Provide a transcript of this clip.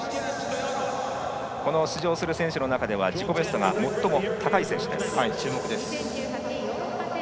この出場する選手の中では自己ベストが最も高い選手。